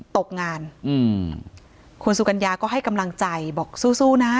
ตกงานอืมคุณสุกัญญาก็ให้กำลังใจบอกสู้สู้นะ